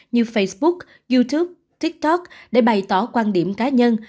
như facebook youtube tiktok để bày tỏ quan điểm cá nhân